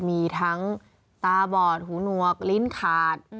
มีทั้งตาบอดหูหนวกลิ้นขาด